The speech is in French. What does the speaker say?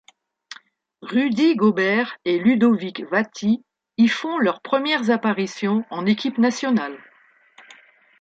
Rudy Gobert et Ludovic Vaty y font leurs premières apparitions en équipe nationale.